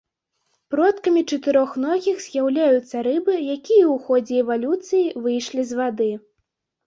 Продкамі чатырохногіх з'яўляюцца рыбы, якія ў ходзе эвалюцыі выйшлі з вады.